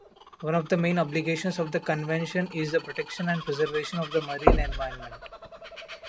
One of the main obligations of the Convention is the protection and preservation of the marine environment.